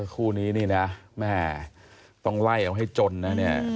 คู่นี้นี่นะแม่ต้องไล่เอาให้จนนะเนี่ย